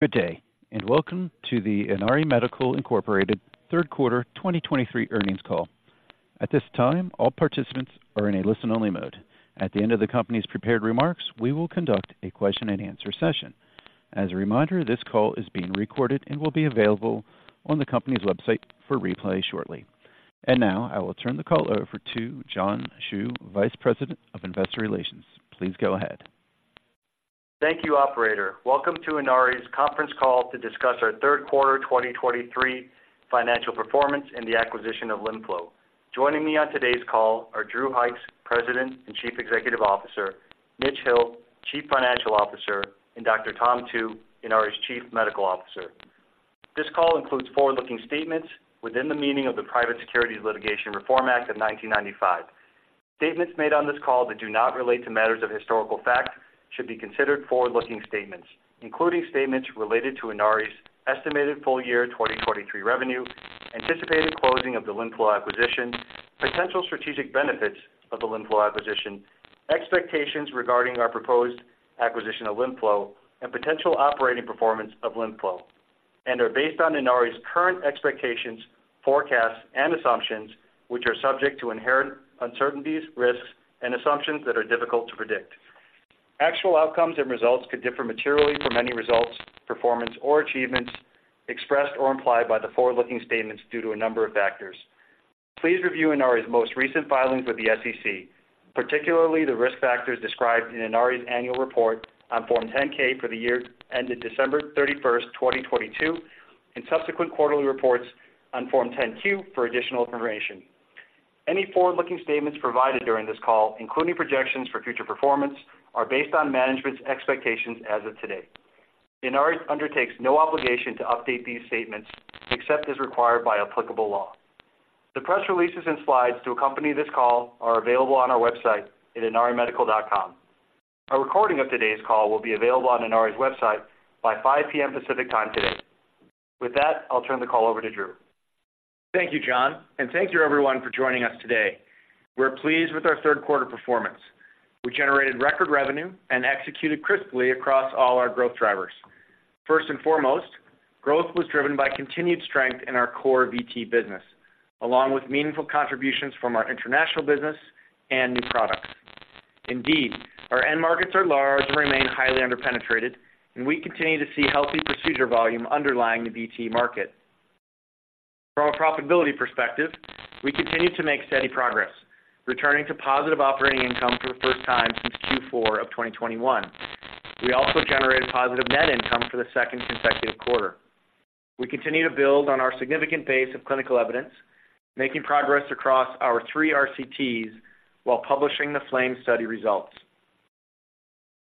Good day, and welcome to the Inari Medical Incorporated third quarter 2023 earnings call. At this time, all participants are in a listen-only mode. At the end of the company's prepared remarks, we will conduct a question-and-answer session. As a reminder, this call is being recorded and will be available on the company's website for replay shortly. Now, I will turn the call over to John Hsu, Vice President of Investor Relations. Please go ahead. Thank you, operator. Welcome to Inari's conference call to discuss our third quarter 2023 financial performance and the acquisition of LimFlow. Joining me on today's call are Drew Hykes, President and Chief Executive Officer, Mitch Hill, Chief Financial Officer, and Dr. Tom Tu, Inari's Chief Medical Officer. This call includes forward-looking statements within the meaning of the Private Securities Litigation Reform Act of 1995. Statements made on this call that do not relate to matters of historical fact should be considered forward-looking statements, including statements related to Inari's estimated full year 2023 revenue, anticipated closing of the LimFlow acquisition, potential strategic benefits of the LimFlow acquisition, expectations regarding our proposed acquisition of LimFlow, and potential operating performance of LimFlow, and are based on Inari's current expectations, forecasts, and assumptions, which are subject to inherent uncertainties, risks, and assumptions that are difficult to predict. Actual outcomes and results could differ materially from any results, performance, or achievements expressed or implied by the forward-looking statements due to a number of factors. Please review Inari's most recent filings with the SEC, particularly the risk factors described in Inari's annual report on Form 10-K for the year ended December 31st, 2022, and subsequent quarterly reports on Form 10-Q for additional information. Any forward-looking statements provided during this call, including projections for future performance, are based on management's expectations as of today. Inari undertakes no obligation to update these statements except as required by applicable law. The press releases and slides to accompany this call are available on our website at inarimedical.com. A recording of today's call will be available on Inari's website by 5 P.M. Pacific Time today. With that, I'll turn the call over to Drew. Thank you, John, and thank you everyone for joining us today. We're pleased with our third quarter performance. We generated record revenue and executed crisply across all our growth drivers. First and foremost, growth was driven by continued strength in our core VTE business, along with meaningful contributions from our international business and new products. Indeed, our end markets are large and remain highly underpenetrated, and we continue to see healthy procedure volume underlying the VTE market. From a profitability perspective, we continue to make steady progress, returning to positive operating income for the first time since Q4 of 2021. We also generated positive net income for the second consecutive quarter. We continue to build on our significant base of clinical evidence, making progress across our three RCTs while publishing the FLAME study results.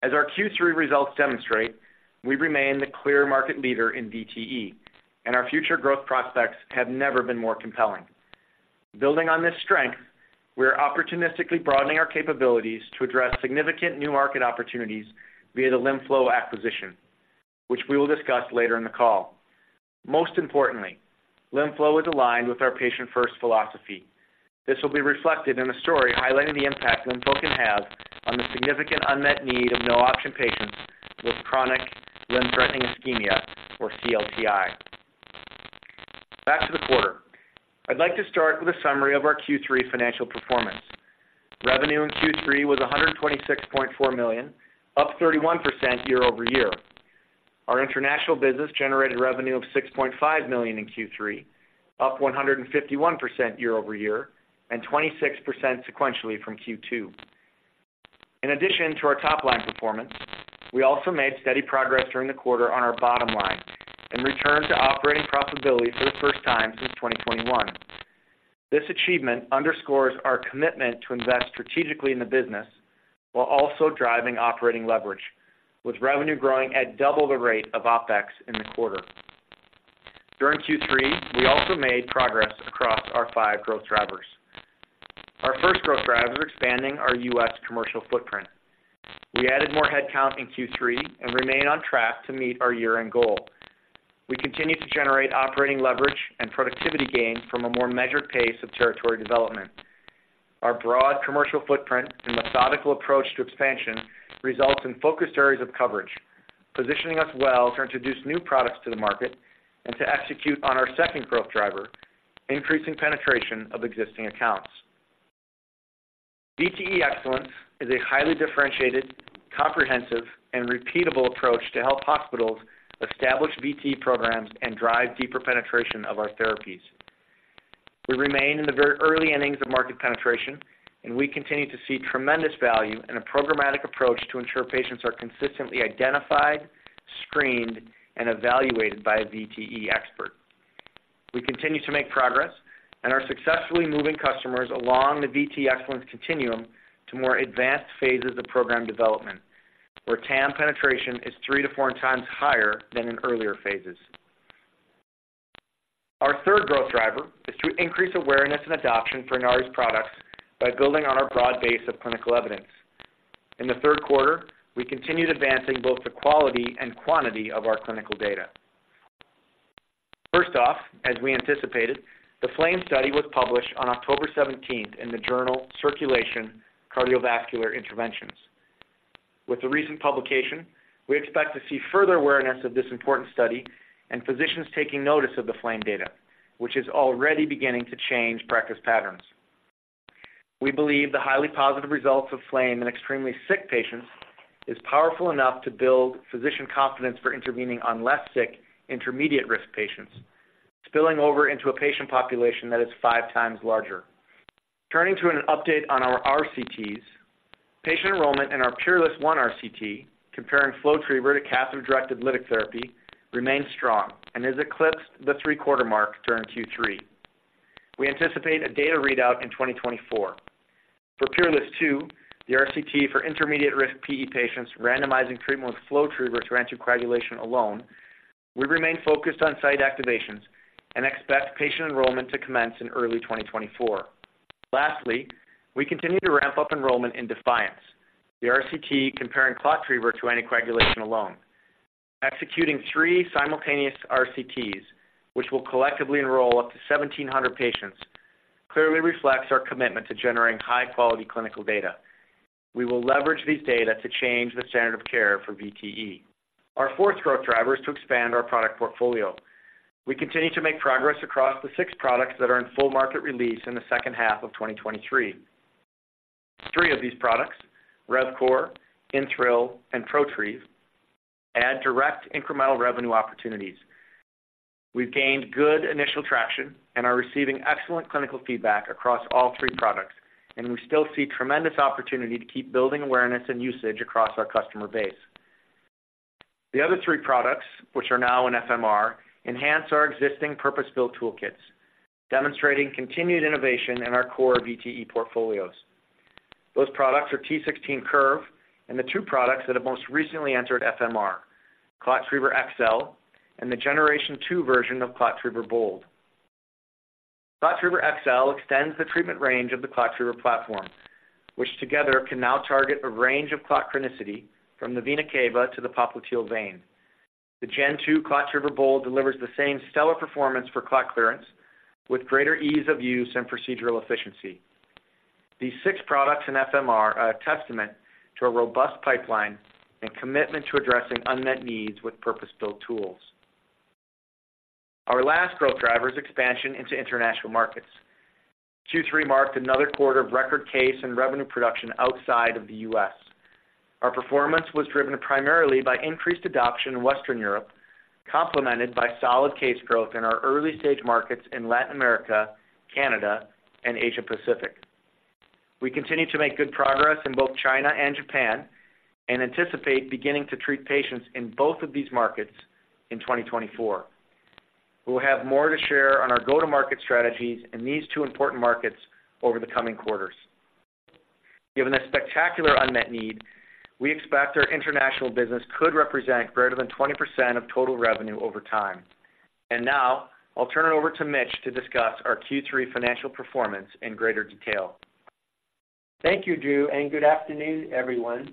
As our Q3 results demonstrate, we remain the clear market leader in VTE, and our future growth prospects have never been more compelling. Building on this strength, we are opportunistically broadening our capabilities to address significant new market opportunities via the LimFlow acquisition, which we will discuss later in the call. Most importantly, LimFlow is aligned with our patient-first philosophy. This will be reflected in the story highlighting the impact LimFlow can have on the significant unmet need of no-option patients with chronic limb-threatening ischemia, or CLTI. Back to the quarter. I'd like to start with a summary of our Q3 financial performance. Revenue in Q3 was $126.4 million, up 31% year-over-year. Our international business generated revenue of $6.5 million in Q3, up 151% year-over-year, and 26% sequentially from Q2. In addition to our top-line performance, we also made steady progress during the quarter on our bottom line and returned to operating profitability for the first time since 2021. This achievement underscores our commitment to invest strategically in the business while also driving operating leverage, with revenue growing at double the rate of OpEx in the quarter. During Q3, we also made progress across our five growth drivers. Our first growth driver is expanding our U.S. commercial footprint. We added more headcount in Q3 and remain on track to meet our year-end goal. We continue to generate operating leverage and productivity gains from a more measured pace of territory development. Our broad commercial footprint and methodical approach to expansion results in focused areas of coverage, positioning us well to introduce new products to the market and to execute on our second growth driver, increasing penetration of existing accounts. VTE Excellence is a highly differentiated, comprehensive, and repeatable approach to help hospitals establish VTE programs and drive deeper penetration of our therapies. We remain in the very early innings of market penetration, and we continue to see tremendous value in a programmatic approach to ensure patients are consistently identified, screened, and evaluated by a VTE expert. We continue to make progress and are successfully moving customers along the VTE Excellence continuum to more advanced phases of program development, where TAM penetration is three to four times higher than in earlier phases. Our third growth driver is to increase awareness and adoption for Inari's products by building on our broad base of clinical evidence. In the third quarter, we continued advancing both the quality and quantity of our clinical data. First off, as we anticipated, the FLAME study was published on October 17th in the journal Circulation: Cardiovascular Interventions. With the recent publication, we expect to see further awareness of this important study and physicians taking notice of the FLAME data, which is already beginning to change practice patterns. We believe the highly positive results of FLAME in extremely sick patients is powerful enough to build physician confidence for intervening on less sick, intermediate risk patients, spilling over into a patient population that is five times larger. Turning to an update on our RCTs, patient enrollment in our PEERLESS I RCT, comparing FlowTriever to catheter-directed lytic therapy, remains strong and has eclipsed the three-quarter mark during Q3. We anticipate a data readout in 2024. For PEERLESS II, the RCT for intermediate risk PE patients randomizing treatment with FlowTriever to anticoagulation alone, we remain focused on site activations and expect patient enrollment to commence in early 2024. Lastly, we continue to ramp up enrollment in DEFIANCE, the RCT comparing ClotTriever to anticoagulation alone. Executing three simultaneous RCTs, which will collectively enroll up to 1,700 patients, clearly reflects our commitment to generating high-quality clinical data. We will leverage these data to change the standard of care for VTE. Our fourth growth driver is to expand our product portfolio. We continue to make progress across the six products that are in full market release in the second half of 2023. Three of these products, RevCore, InThrill, and ProTrieve, add direct incremental revenue opportunities. We've gained good initial traction and are receiving excellent clinical feedback across all three products, and we still see tremendous opportunity to keep building awareness and usage across our customer base. The other three products, which are now in FMR, enhance our existing purpose-built toolkits, demonstrating continued innovation in our core VTE portfolios. Those products are T16 Curve and the two products that have most recently entered FMR, ClotTriever XL, and the Generation two version of ClotTriever Bold. ClotTriever XL extends the treatment range of the ClotTriever platform, which together can now target a range of clot chronicity from the vena cava to the popliteal vein. The Gen 2 ClotTriever Bold delivers the same stellar performance for clot clearance with greater ease of use and procedural efficiency. These six products in FMR are a testament to a robust pipeline and commitment to addressing unmet needs with purpose-built tools. Our last growth driver is expansion into international markets. Q3 marked another quarter of record case and revenue production outside of the U.S. Our performance was driven primarily by increased adoption in Western Europe, complemented by solid case growth in our early-stage markets in Latin America, Canada, and Asia Pacific. We continue to make good progress in both China and Japan and anticipate beginning to treat patients in both of these markets in 2024. We'll have more to share on our go-to-market strategies in these two important markets over the coming quarters. Given the spectacular unmet need, we expect our international business could represent greater than 20% of total revenue over time. Now I'll turn it over to Mitch to discuss our Q3 financial performance in greater detail. Thank you, Drew, and good afternoon, everyone.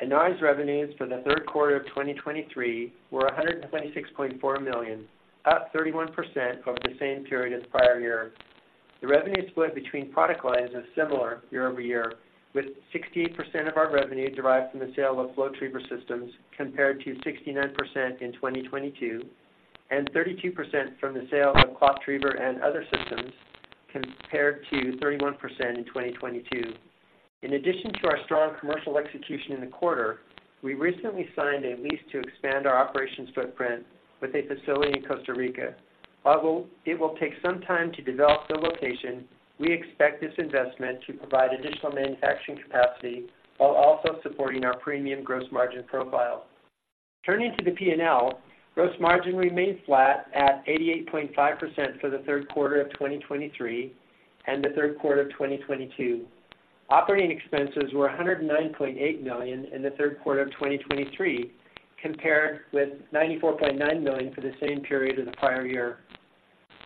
Inari's revenues for the third quarter of 2023 were $126.4 million, up 31% over the same period as the prior year. The revenue split between product lines is similar year-over-year, with 60% of our revenue derived from the sale of FlowTriever systems, compared to 69% in 2022, and 32% from the sale of ClotTriever and other systems, compared to 31% in 2022. In addition to our strong commercial execution in the quarter, we recently signed a lease to expand our operations footprint with a facility in Costa Rica. Although it will take some time to develop the location, we expect this investment to provide additional manufacturing capacity while also supporting our premium gross margin profile. Turning to the P&L, gross margin remained flat at 88.5% for the third quarter of 2023 and the third quarter of 2022. Operating expenses were $109.8 million in the third quarter of 2023, compared with $94.9 million for the same period of the prior year.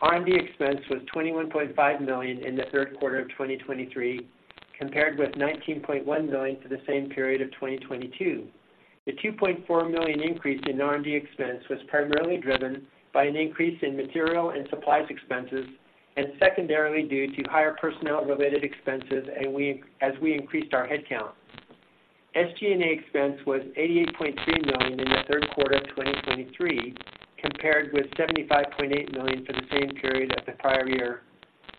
R&D expense was $21.5 million in the third quarter of 2023, compared with $19.1 million for the same period of 2022. The $2.4 million increase in R&D expense was primarily driven by an increase in material and supplies expenses, and secondarily due to higher personnel-related expenses as we increased our headcount. SG&A expense was $88.3 million in the third quarter of 2023, compared with $75.8 million for the same period of the prior year.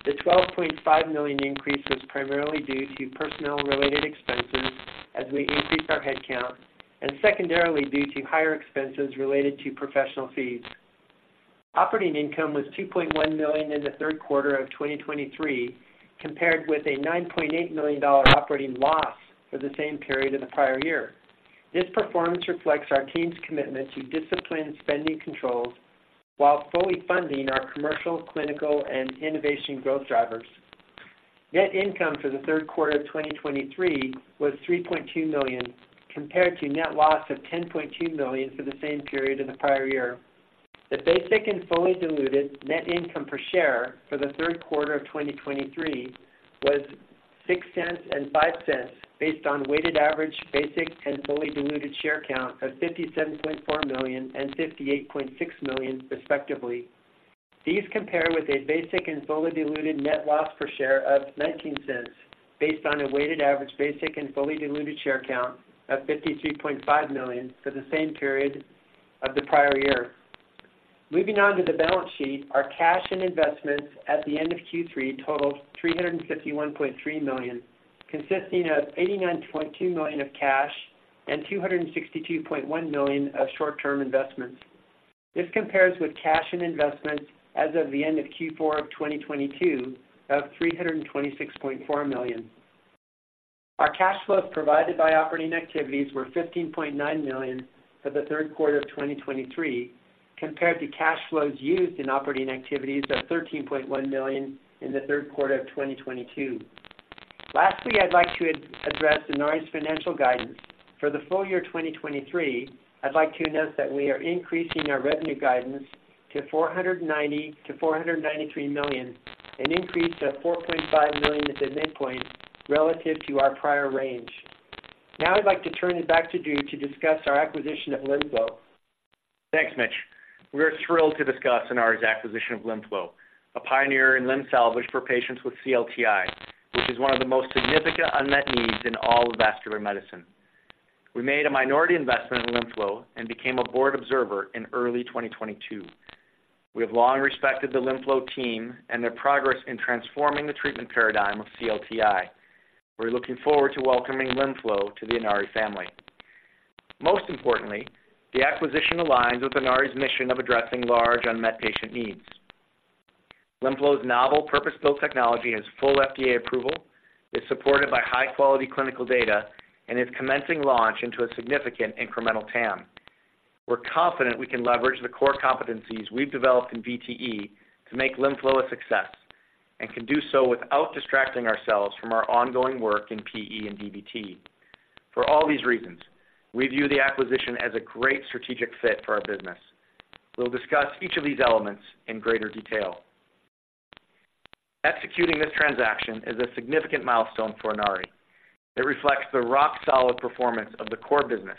The $12.5 million increase was primarily due to personnel-related expenses as we increased our headcount, and secondarily due to higher expenses related to professional fees. Operating income was $2.1 million in the third quarter of 2023, compared with a $9.8 million operating loss for the same period in the prior year. This performance reflects our team's commitment to disciplined spending controls while fully funding our commercial, clinical, and innovation growth drivers. Net income for the third quarter of 2023 was $3.2 million, compared to net loss of $10.2 million for the same period in the prior year. The basic and fully diluted net income per share for the third quarter of 2023 was $0.... $0.06 and $0.05, based on weighted average basic and fully diluted share count of 57.4 million and 58.6 million, respectively. These compare with a basic and fully diluted net loss per share of $0.19, based on a weighted average basic and fully diluted share count of 53.5 million for the same period of the prior year. Moving on to the balance sheet, our cash and investments at the end of Q3 totaled $351.3 million, consisting of $89.2 million of cash and $262.1 million of short-term investments. This compares with cash and investments as of the end of Q4 of 2022 of $326.4 million. Our cash flows provided by operating activities were $15.9 million for the third quarter of 2023, compared to cash flows used in operating activities of $13.1 million in the third quarter of 2022. Lastly, I'd like to address Inari's financial guidance. For the full year 2023, I'd like to announce that we are increasing our revenue guidance to $490 million-$493 million, an increase of $4.5 million at the midpoint relative to our prior range. Now I'd like to turn it back to Drew to discuss our acquisition of LimFlow. Thanks, Mitch. We are thrilled to discuss Inari's acquisition of LimFlow, a pioneer in limb salvage for patients with CLTI, which is one of the most significant unmet needs in all of vascular medicine. We made a minority investment in LimFlow and became a board observer in early 2022. We have long respected the LimFlow team and their progress in transforming the treatment paradigm of CLTI. We're looking forward to welcoming LimFlow to the Inari family. Most importantly, the acquisition aligns with Inari's mission of addressing large unmet patient needs. LimFlow's novel purpose-built technology has full FDA approval, is supported by high-quality clinical data, and is commencing launch into a significant incremental TAM. We're confident we can leverage the core competencies we've developed in VTE to make LimFlow a success, and can do so without distracting ourselves from our ongoing work in PE and DVT. For all these reasons, we view the acquisition as a great strategic fit for our business. We'll discuss each of these elements in greater detail. Executing this transaction is a significant milestone for Inari. It reflects the rock-solid performance of the core business,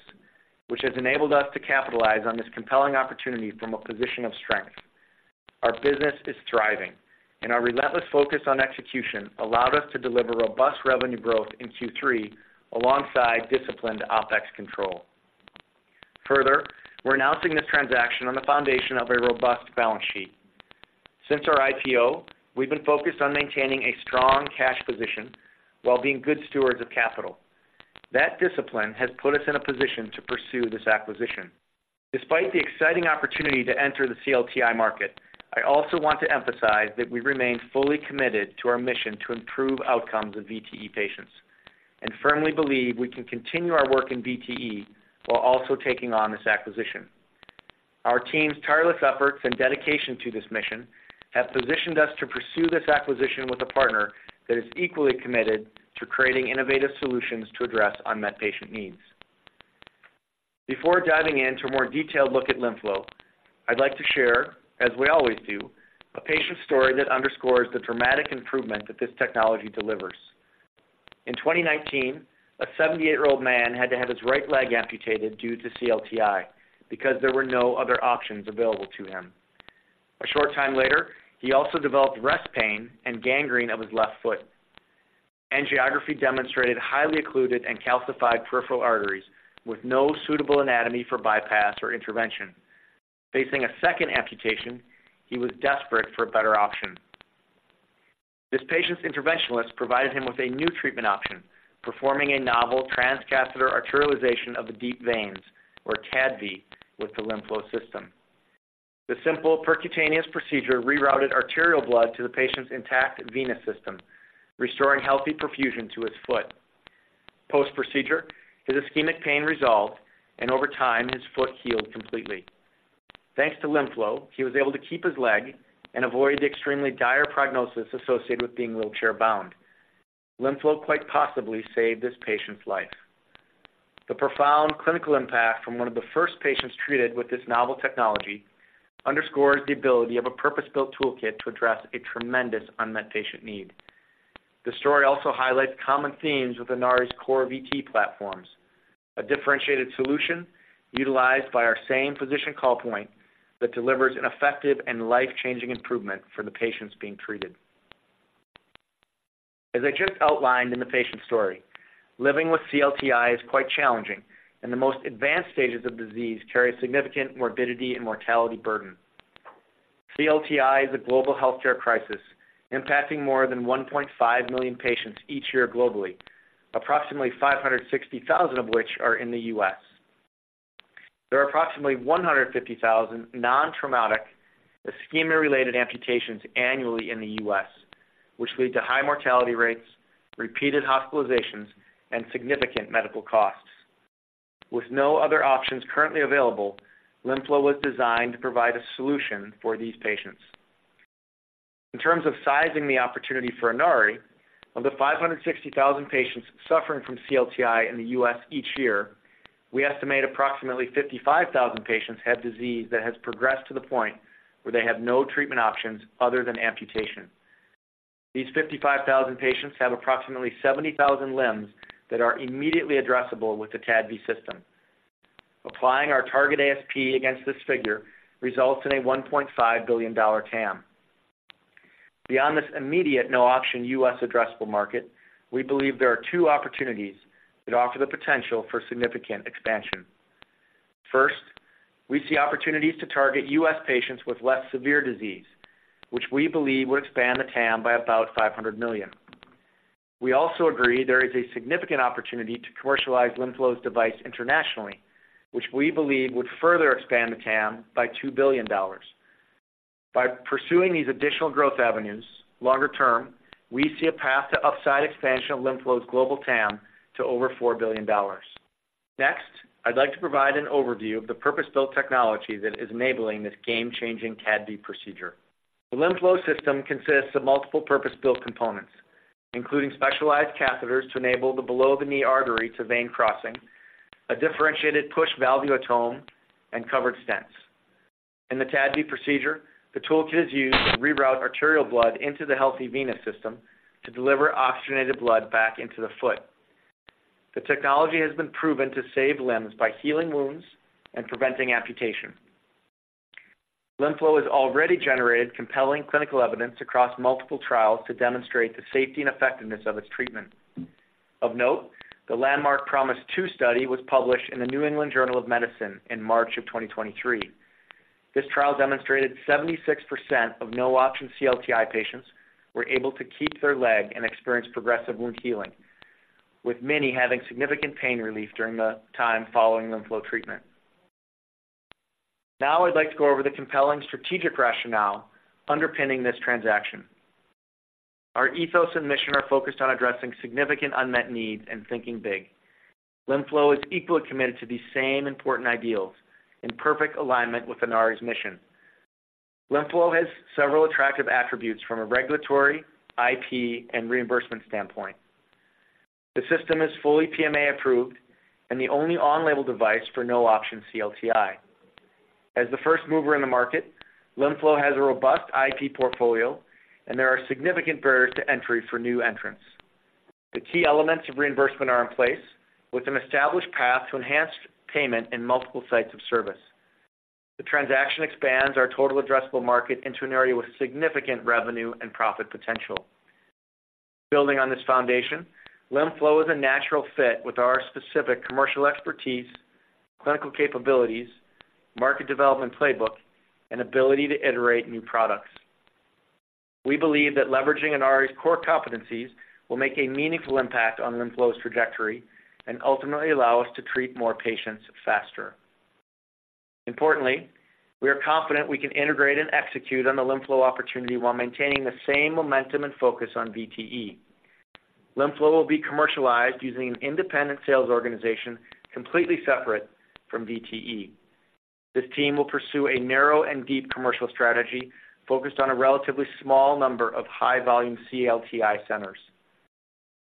which has enabled us to capitalize on this compelling opportunity from a position of strength. Our business is thriving, and our relentless focus on execution allowed us to deliver robust revenue growth in Q3, alongside disciplined OpEx control. Further, we're announcing this transaction on the foundation of a robust balance sheet. Since our IPO, we've been focused on maintaining a strong cash position while being good stewards of capital. That discipline has put us in a position to pursue this acquisition. Despite the exciting opportunity to enter the CLTI market, I also want to emphasize that we remain fully committed to our mission to improve outcomes of VTE patients, and firmly believe we can continue our work in VTE while also taking on this acquisition. Our team's tireless efforts and dedication to this mission have positioned us to pursue this acquisition with a partner that is equally committed to creating innovative solutions to address unmet patient needs. Before diving in to a more detailed look at LimFlow, I'd like to share, as we always do, a patient story that underscores the dramatic improvement that this technology delivers. In 2019, a 78-year-old man had to have his right leg amputated due to CLTI because there were no other options available to him. A short time later, he also developed rest pain and gangrene of his left foot. Angiography demonstrated highly occluded and calcified peripheral arteries with no suitable anatomy for bypass or intervention. Facing a second amputation, he was desperate for a better option. This patient's interventionalist provided him with a new treatment option, performing a novel transcatheter arterialization of the deep veins, or TADV, with the LimFlow system. The simple percutaneous procedure rerouted arterial blood to the patient's intact venous system, restoring healthy perfusion to his foot. Post-procedure, his ischemic pain resolved, and over time, his foot healed completely. Thanks to LimFlow, he was able to keep his leg and avoid the extremely dire prognosis associated with being wheelchair-bound. LimFlow quite possibly saved this patient's life. The profound clinical impact from one of the first patients treated with this novel technology underscores the ability of a purpose-built toolkit to address a tremendous unmet patient need. The story also highlights common themes with Inari's core VTE platforms, a differentiated solution utilized by our same physician call point that delivers an effective and life-changing improvement for the patients being treated. As I just outlined in the patient story, living with CLTI is quite challenging, and the most advanced stages of disease carry a significant morbidity and mortality burden. CLTI is a global healthcare crisis, impacting more than 1.5 million patients each year globally, approximately 560,000 of which are in the U.S. There are approximately 150,000 non-traumatic ischemia-related amputations annually in the U.S., which lead to high mortality rates, repeated hospitalizations, and significant medical costs. With no other options currently available, LimFlow was designed to provide a solution for these patients. In terms of sizing the opportunity for Inari, of the 560,000 patients suffering from CLTI in the U.S. each year. We estimate approximately 55,000 patients have disease that has progressed to the point where they have no treatment options other than amputation. These 55,000 patients have approximately 70,000 limbs that are immediately addressable with the TADV system. Applying our target ASP against this figure results in a $1.5 billion TAM. Beyond this immediate no-option U.S. addressable market, we believe there are two opportunities that offer the potential for significant expansion. First, we see opportunities to target U.S. patients with less severe disease, which we believe would expand the TAM by about $500 million. We also agree there is a significant opportunity to commercialize LimFlow's device internationally, which we believe would further expand the TAM by $2 billion. By pursuing these additional growth avenues, longer term, we see a path to upside expansion of LimFlow's global TAM to over $4 billion. Next, I'd like to provide an overview of the purpose-built technology that is enabling this game-changing CLTI procedure. The LimFlow system consists of multiple purpose-built components, including specialized catheters to enable the below the knee artery to vein crossing, a differentiated push valve guillotine, and covered stents. In the TADV procedure, the toolkit is used to reroute arterial blood into the healthy venous system to deliver oxygenated blood back into the foot. The technology has been proven to save limbs by healing wounds and preventing amputation. LimFlow has already generated compelling clinical evidence across multiple trials to demonstrate the safety and effectiveness of its treatment. Of note, the landmark PROMISE II study was published in the New England Journal of Medicine in March 2023. This trial demonstrated 76% of no-option CLTI patients were able to keep their leg and experience progressive wound healing, with many having significant pain relief during the time following LimFlow treatment. Now, I'd like to go over the compelling strategic rationale underpinning this transaction. Our ethos and mission are focused on addressing significant unmet needs and thinking big. LimFlow is equally committed to these same important ideals in perfect alignment with Inari's mission. LimFlow has several attractive attributes from a regulatory, IP, and reimbursement standpoint. The system is fully PMA approved and the only on-label device for no-option CLTI. As the first mover in the market, LimFlow has a robust IP portfolio, and there are significant barriers to entry for new entrants. The key elements of reimbursement are in place, with an established path to enhanced payment in multiple sites of service. The transaction expands our total addressable market into an area with significant revenue and profit potential. Building on this foundation, LimFlow is a natural fit with our specific commercial expertise, clinical capabilities, market development playbook, and ability to iterate new products. We believe that leveraging Inari's core competencies will make a meaningful impact on LimFlow's trajectory and ultimately allow us to treat more patients faster. Importantly, we are confident we can integrate and execute on the LimFlow opportunity while maintaining the same momentum and focus on VTE. LimFlow will be commercialized using an independent sales organization, completely separate from VTE. This team will pursue a narrow and deep commercial strategy focused on a relatively small number of high volume CLTI centers.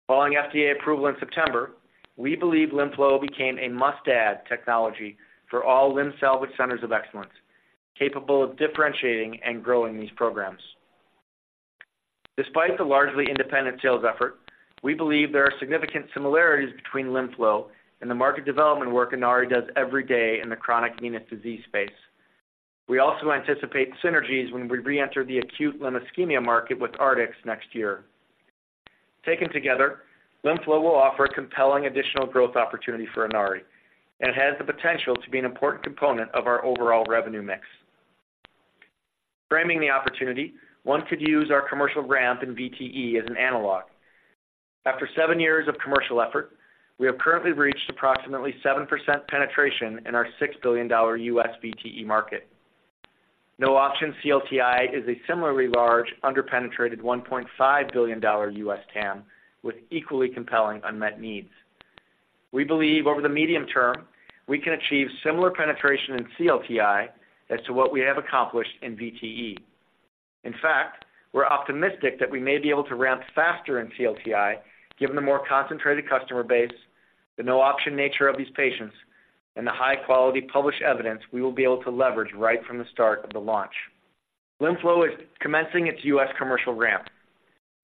Following FDA approval in September, we believe LimFlow became a must-add technology for all limb salvage centers of excellence, capable of differentiating and growing these programs. Despite the largely independent sales effort, we believe there are significant similarities between LimFlow and the market development work Inari does every day in the chronic venous disease space. We also anticipate synergies when we reenter the acute limb ischemia market with Artix next year. Taken together, LimFlow will offer a compelling additional growth opportunity for Inari and has the potential to be an important component of our overall revenue mix. Framing the opportunity, one could use our commercial ramp in VTE as an analog. After seven years of commercial effort, we have currently reached approximately 7% penetration in our $6 billion U.S. VTE market. No-option CLTI is a similarly large, underpenetrated $1.5 billion U.S. TAM, with equally compelling unmet needs. We believe over the medium term, we can achieve similar penetration in CLTI as to what we have accomplished in VTE. In fact, we're optimistic that we may be able to ramp faster in CLTI, given the more concentrated customer base, the no-option nature of these patients, and the high-quality published evidence we will be able to leverage right from the start of the launch. LimFlow is commencing its U.S. commercial ramp.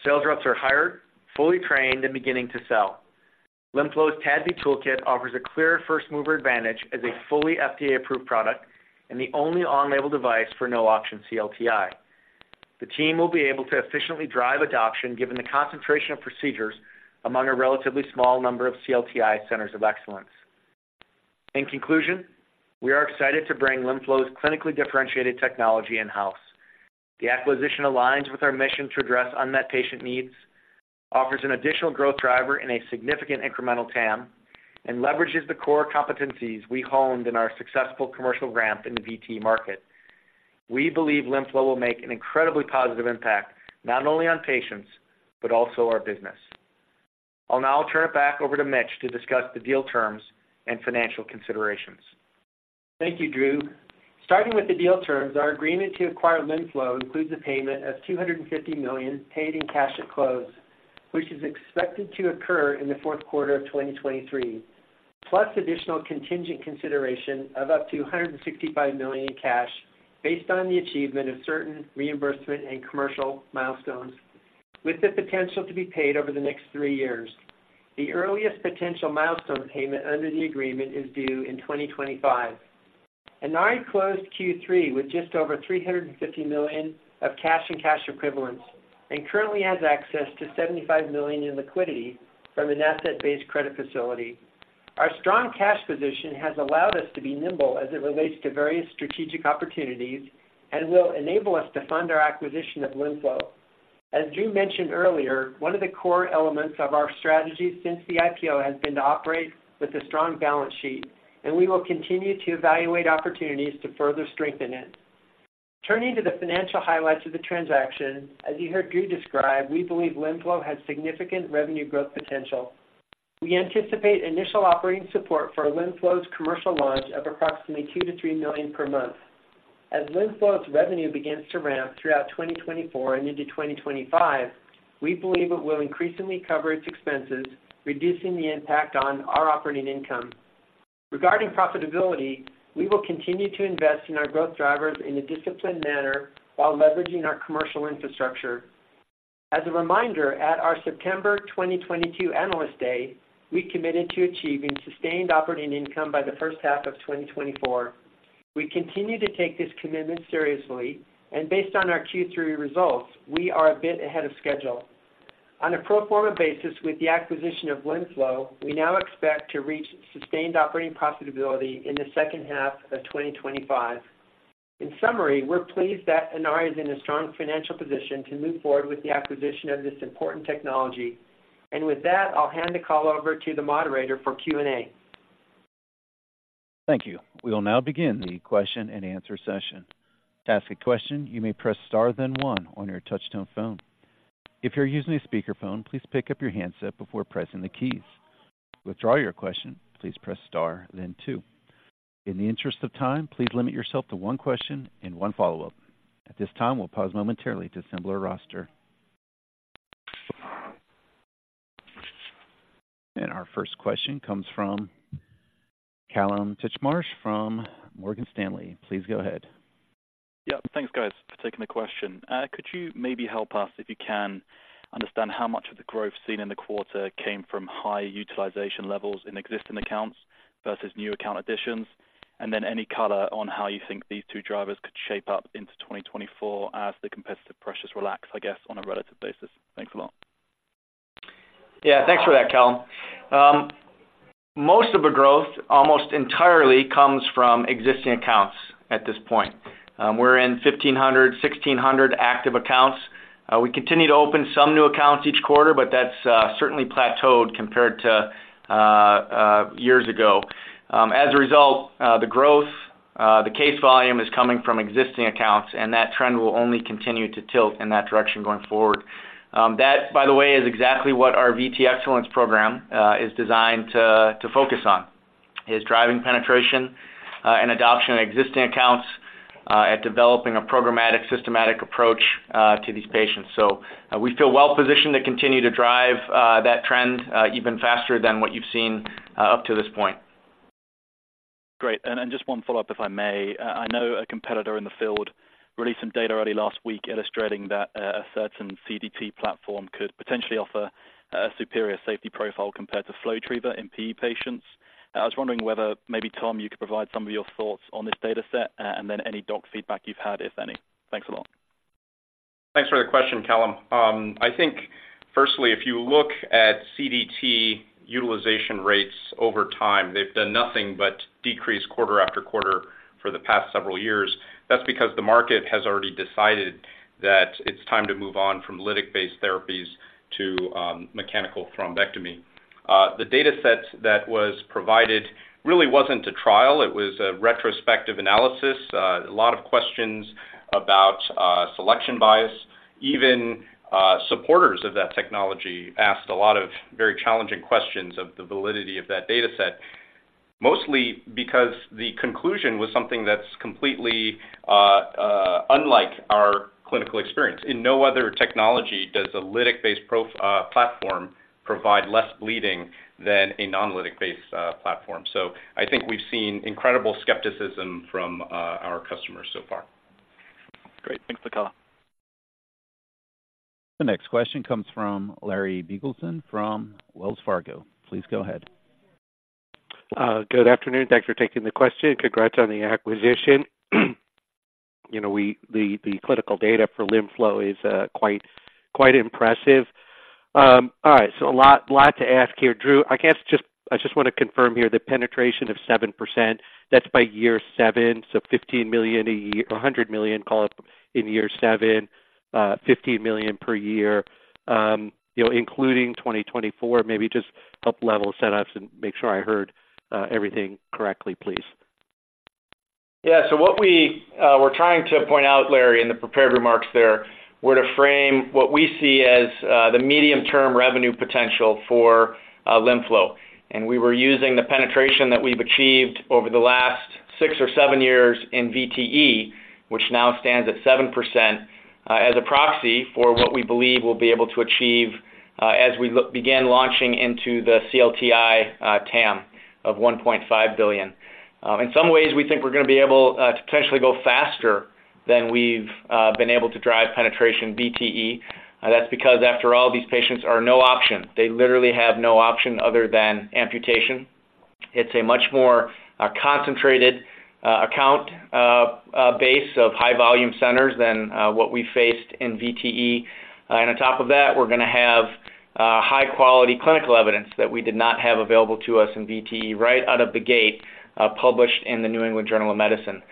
Sales reps are hired, fully trained, and beginning to sell. LimFlow's TADV toolkit offers a clear first mover advantage as a fully FDA-approved product and the only on-label device for no-option CLTI. The team will be able to efficiently drive adoption, given the concentration of procedures among a relatively small number of CLTI centers of excellence. In conclusion, we are excited to bring LimFlow's clinically differentiated technology in-house. The acquisition aligns with our mission to address unmet patient needs, offers an additional growth driver and a significant incremental TAM, and leverages the core competencies we honed in our successful commercial ramp in the VTE market. We believe LimFlow will make an incredibly positive impact, not only on patients, but also our business. I'll now turn it back over to Mitch to discuss the deal terms and financial considerations. ...Thank you, Drew. Starting with the deal terms, our agreement to acquire LimFlow includes a payment of $250 million paid in cash at close, which is expected to occur in the fourth quarter of 2023, plus additional contingent consideration of up to $165 million in cash based on the achievement of certain reimbursement and commercial milestones, with the potential to be paid over the next three years. The earliest potential milestone payment under the agreement is due in 2025. Inari closed Q3 with just over $350 million of cash and cash equivalents and currently has access to $75 million in liquidity from an asset-based credit facility. Our strong cash position has allowed us to be nimble as it relates to various strategic opportunities and will enable us to fund our acquisition of LimFlow. As Drew mentioned earlier, one of the core elements of our strategy since the IPO has been to operate with a strong balance sheet, and we will continue to evaluate opportunities to further strengthen it. Turning to the financial highlights of the transaction, as you heard Drew describe, we believe LimFlow has significant revenue growth potential. We anticipate initial operating support for LimFlow's commercial launch of approximately $2 million-$3 million per month. As LimFlow's revenue begins to ramp throughout 2024 and into 2025, we believe it will increasingly cover its expenses, reducing the impact on our operating income. Regarding profitability, we will continue to invest in our growth drivers in a disciplined manner while leveraging our commercial infrastructure. As a reminder, at our September 2022 Analyst Day, we committed to achieving sustained operating income by the first half of 2024. We continue to take this commitment seriously, and based on our Q3 results, we are a bit ahead of schedule. On a pro forma basis, with the acquisition of LimFlow, we now expect to reach sustained operating profitability in the second half of 2025. In summary, we're pleased that Inari is in a strong financial position to move forward with the acquisition of this important technology. And with that, I'll hand the call over to the moderator for Q&A. Thank you. We will now begin the question-and-answer session. To ask a question, you may press star, then one on your touchtone phone. If you're using a speakerphone, please pick up your handset before pressing the keys. To withdraw your question, please press star then two. In the interest of time, please limit yourself to one question and one follow-up. At this time, we'll pause momentarily to assemble our roster. Our first question comes from Kallum Titchmarsh from Morgan Stanley. Please go ahead. Yeah, thanks, guys, for taking the question. Could you maybe help us, if you can, understand how much of the growth seen in the quarter came from high utilization levels in existing accounts versus new account additions? And then any color on how you think these two drivers could shape up into 2024 as the competitive pressures relax, I guess, on a relative basis? Thanks a lot. Yeah, thanks for that, Kallum. Most of the growth almost entirely comes from existing accounts at this point. We're in 1,500-1,600 active accounts. We continue to open some new accounts each quarter, but that's certainly plateaued compared to years ago. As a result, the growth, the case volume is coming from existing accounts, and that trend will only continue to tilt in that direction going forward. That, by the way, is exactly what our VTE Excellence program is designed to focus on, is driving penetration and adoption of existing accounts at developing a programmatic, systematic approach to these patients. So we feel well positioned to continue to drive that trend even faster than what you've seen up to this point. Great. And just one follow-up, if I may. I know a competitor in the field released some data early last week illustrating that a certain CDT platform could potentially offer a superior safety profile compared to FlowTriever in PE patients. I was wondering whether maybe, Tom, you could provide some of your thoughts on this data set and then any doc feedback you've had, if any. Thanks a lot. Thanks for the question, Kallum. I think firstly, if you look at CDT utilization rates over time, they've done nothing but decrease quarter after quarter for the past several years. That's because the market has already decided that it's time to move on from lytic-based therapies to mechanical thrombectomy. The data set that was provided really wasn't a trial. It was a retrospective analysis. A lot of questions about selection bias. Even supporters of that technology asked a lot of very challenging questions of the validity of that data set, mostly because the conclusion was something that's completely unlike our clinical experience. In no other technology does a lytic-based platform provide less bleeding than a non-lytic-based platform. So I think we've seen incredible skepticism from our customers so far. Great. Thanks for the color. The next question comes from Larry Biegelsen from Wells Fargo. Please go ahead. Good afternoon. Thanks for taking the question, and congrats on the acquisition. You know, the clinical data for LimFlow is quite, quite impressive. All right, so a lot, lot to ask here. Drew, I guess just, I just want to confirm here the penetration of 7%, that's by year seven, so $15 million a year, or $100 million, call it, in year seven, $15 million per year, you know, including 2024. Maybe just help level set us and make sure I heard everything correctly, please.... Yeah, so what we were trying to point out, Larry, in the prepared remarks there, were to frame what we see as the medium-term revenue potential for LimFlow. And we were using the penetration that we've achieved over the last six or seven years in VTE, which now stands at 7%, as a proxy for what we believe we'll be able to achieve as we begin launching into the CLTI TAM of $1.5 billion. In some ways, we think we're going to be able to potentially go faster than we've been able to drive penetration VTE. That's because, after all, these patients are no-option. They literally have no option other than amputation. It's a much more concentrated base of high volume centers than what we faced in VTE. And on top of that, we're going to have high-quality clinical evidence that we did not have available to us in VTE, right out of the gate, published in the New England Journal of Medicine.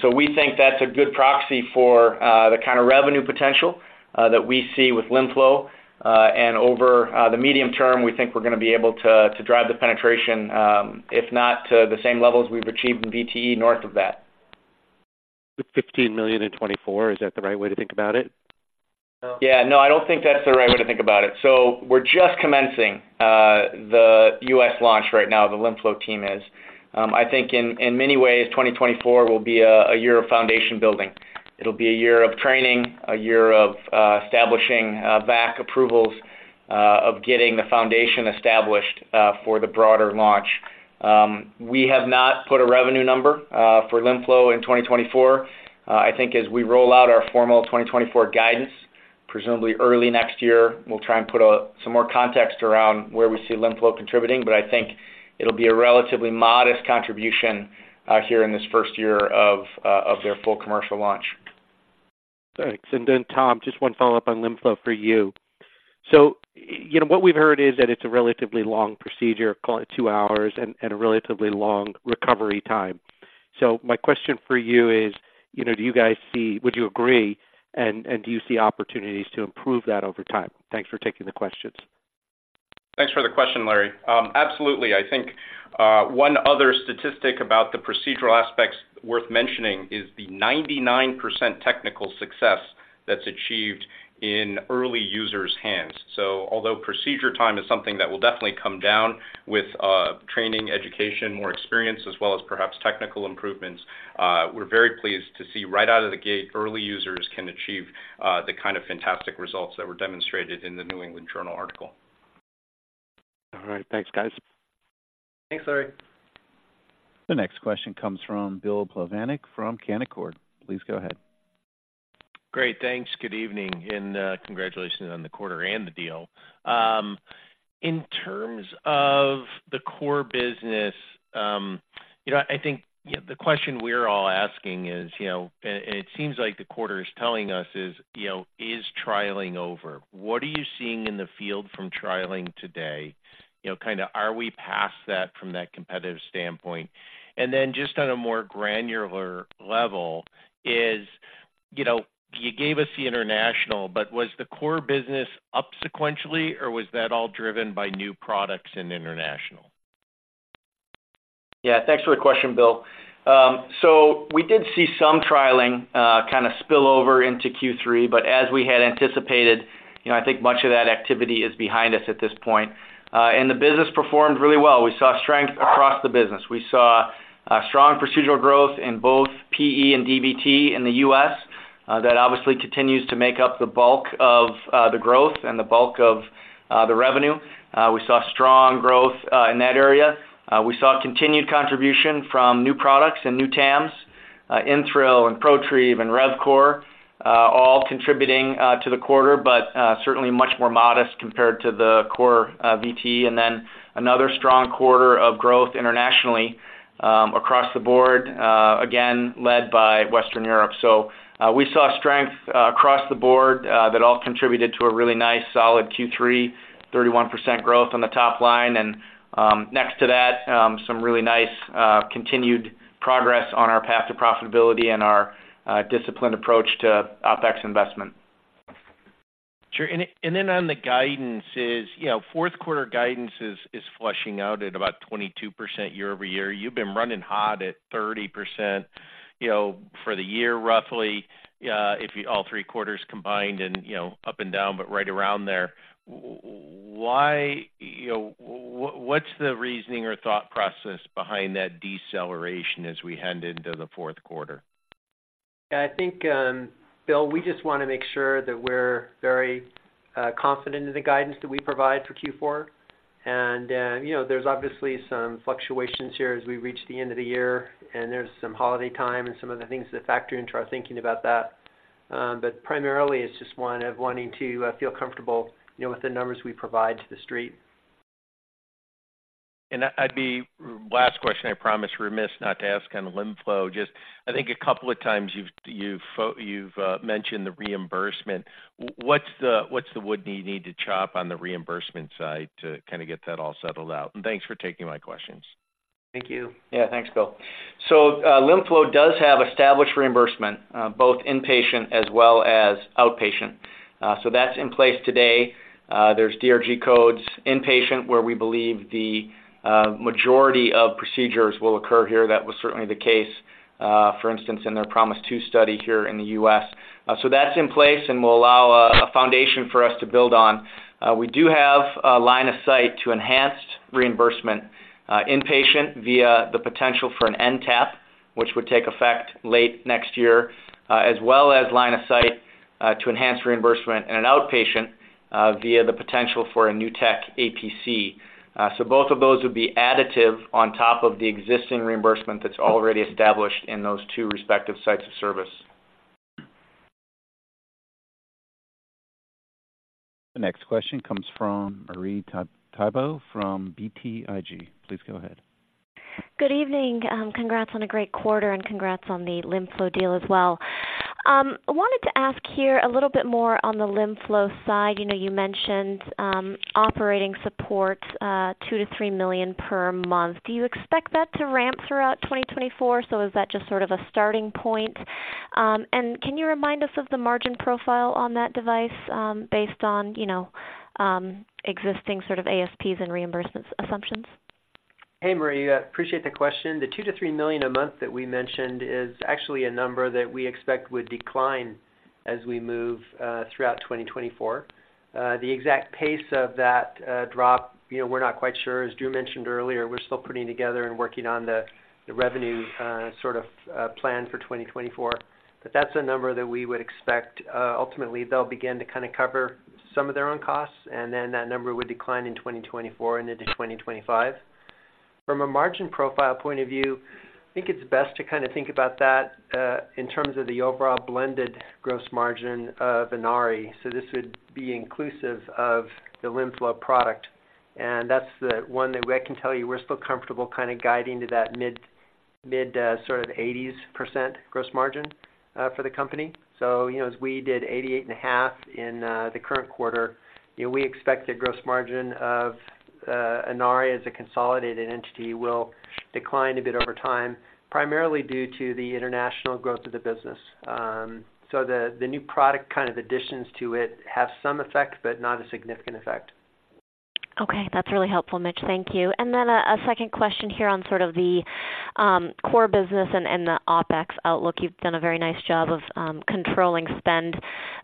So we think that's a good proxy for the kind of revenue potential that we see with LimFlow. And over the medium term, we think we're going to be able to drive the penetration, if not to the same levels we've achieved in VTE, north of that. $15 million in 2024, is that the right way to think about it? Yeah. No, I don't think that's the right way to think about it. So we're just commencing the U.S. launch right now, the LimFlow team is. I think in many ways, 2024 will be a year of foundation building. It'll be a year of training, a year of establishing VAC approvals, of getting the foundation established for the broader launch. We have not put a revenue number for LimFlow in 2024. I think as we roll out our formal 2024 guidance, presumably early next year, we'll try and put some more context around where we see LimFlow contributing, but I think it'll be a relatively modest contribution here in this first year of their full commercial launch. Thanks. And then, Tom, just one follow-up on LimFlow for you. So you know, what we've heard is that it's a relatively long procedure, call it two hours, and a relatively long recovery time. So my question for you is, you know, do you guys see... Would you agree, and do you see opportunities to improve that over time? Thanks for taking the questions. Thanks for the question, Larry. Absolutely. I think one other statistic about the procedural aspects worth mentioning is the 99% technical success that's achieved in early users' hands. So although procedure time is something that will definitely come down with training, education, more experience, as well as perhaps technical improvements, we're very pleased to see right out of the gate, early users can achieve the kind of fantastic results that were demonstrated in the New England Journal article. All right. Thanks, guys. Thanks, Larry. The next question comes from Bill Plovanic from Canaccord. Please go ahead. Great. Thanks. Good evening, and congratulations on the quarter and the deal. In terms of the core business, you know, I think, yeah, the question we're all asking is, you know, and, and it seems like the quarter is telling us is, you know, is trialing over? What are you seeing in the field from trialing today? You know, kind of, are we past that from that competitive standpoint? And then just on a more granular level is, you know, you gave us the international, but was the core business up sequentially, or was that all driven by new products in international? Yeah, thanks for the question, Bill. So we did see some trialing, kind of spill over into Q3, but as we had anticipated, you know, I think much of that activity is behind us at this point. The business performed really well. We saw strength across the business. We saw strong procedural growth in both PE and DVT in the U.S. That obviously continues to make up the bulk of the growth and the bulk of the revenue. We saw strong growth in that area. We saw continued contribution from new products and new TAMs, InThrill and ProTrieve and RevCore, all contributing to the quarter, but certainly much more modest compared to the core VTE. Another strong quarter of growth internationally, across the board, again, led by Western Europe. So, we saw strength across the board that all contributed to a really nice, solid Q3, 31% growth on the top line. And, next to that, some really nice continued progress on our path to profitability and our disciplined approach to OpEx investment. Sure. And then on the guidances, you know, fourth quarter guidance is fleshing out at about 22% year-over-year. You've been running hot at 30%, you know, for the year, roughly, all three quarters combined and, you know, up and down, but right around there. Why, you know... What's the reasoning or thought process behind that deceleration as we head into the fourth quarter? I think, Bill, we just want to make sure that we're very confident in the guidance that we provide for Q4. And, you know, there's obviously some fluctuations here as we reach the end of the year, and there's some holiday time and some of the things that factor into our thinking about that. But primarily, it's just one of wanting to feel comfortable, you know, with the numbers we provide to the street. I'd be remiss not to ask on LimFlow. Just, I think a couple of times you've mentioned the reimbursement. What's the wood do you need to chop on the reimbursement side to kind of get that all settled out? And thanks for taking my questions. Thank you. Yeah, thanks, Bill. So, LimFlow does have established reimbursement, both inpatient as well as outpatient. So that's in place today. There's DRG codes, inpatient, where we believe the majority of procedures will occur here. That was certainly the case, for instance, in their PROMISE II study here in the U.S. So that's in place and will allow a foundation for us to build on. We do have a line of sight to enhanced reimbursement, inpatient via the potential for an NTAP, which would take effect late next year, as well as line of sight to enhance reimbursement in an outpatient, via the potential for a New Tech APC. So both of those would be additive on top of the existing reimbursement that's already established in those two respective sites of service. The next question comes from Marie Thibault from BTIG. Please go ahead. Good evening. Congrats on a great quarter, and congrats on the LimFlow deal as well. I wanted to ask here a little bit more on the LimFlow side. You know, you mentioned operating support, $2 million-$3 million per month. Do you expect that to ramp throughout 2024? So is that just sort of a starting point? And can you remind us of the margin profile on that device, based on, you know, existing sort of ASPs and reimbursement assumptions? Hey, Marie. I appreciate the question. The $2 million-$3 million a month that we mentioned is actually a number that we expect would decline as we move throughout 2024. The exact pace of that drop, you know, we're not quite sure. As Drew mentioned earlier, we're still putting together and working on the revenue sort of plan for 2024, but that's a number that we would expect. Ultimately, they'll begin to kind of cover some of their own costs, and then that number would decline in 2024 and into 2025. From a margin profile point of view, I think it's best to kind of think about that in terms of the overall blended gross margin of Inari. So this would be inclusive of the LimFlow product, and that's the one that I can tell you we're still comfortable kind of guiding to that mid-mid sort of 80s% gross margin for the company. So, you know, as we did 88.5% in the current quarter, you know, we expect the gross margin of Inari as a consolidated entity will decline a bit over time, primarily due to the international growth of the business. So the new product kind of additions to it have some effect, but not a significant effect. Okay. That's really helpful, Mitch. Thank you. And then a second question here on sort of the core business and the OpEx outlook. You've done a very nice job of controlling spend